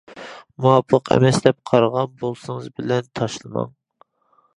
مۇۋاپىق ئەمەس دەپ قارىغان بولسىڭىز بېلەت تاشلىماڭ.